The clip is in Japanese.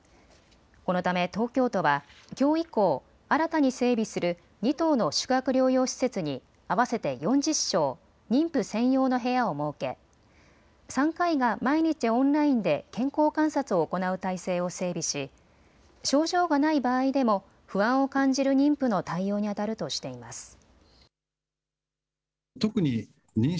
このため東京都は、きょう以降、新たに整備する２棟の宿泊療養施設に合わせて４０床、妊婦専用の部屋を設け産科医が毎日オンラインで健康観察を行う体制を整備し症状がない場合でも不安を感じる妊婦の対応にあたるとしています。